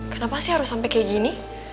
kenapa sih harus sampai kayak gini